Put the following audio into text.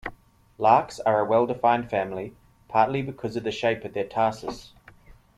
Larks are a well-defined family, partly because of the shape of their tarsus.